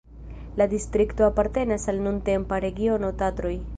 La distrikto apartenas al nuntempa regiono Tatroj.